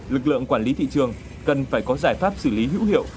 lực lượng quản lý thị trường cần phải có giải pháp xử lý hữu hiệu